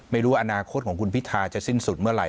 ไม่รู้ว่าอนาคตของคุณพิทาจะสิ้นสุดเมื่อไห